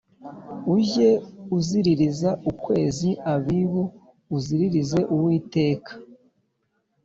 Ujye uziririza ukwezi Abibu uziriririze Uwiteka